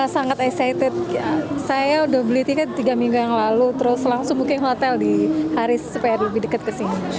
sangat excited saya udah beli tiket tiga minggu yang lalu terus langsung booking hotel di haris supaya lebih dekat ke sini